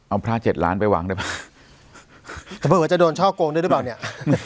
เอาพระเจ็ดล้านไปวางได้ป่ะทำไมเหมือนจะโดนช่อกงด้วยหรือเปล่าเนี่ย